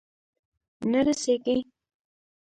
نه رسیږې